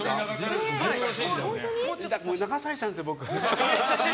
流されちゃうんですよ、僕。